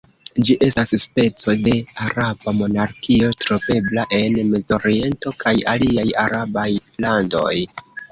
Ĝi estas speco de araba monarkio, trovebla en mezoriento kaj aliaj arabaj landoj.